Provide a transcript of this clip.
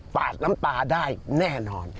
ปาดน้ำตาได้แน่นอน